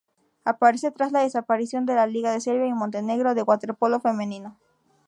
Aparece tras la desaparición de la Liga de Serbia y Montenegro de waterpolo femenino.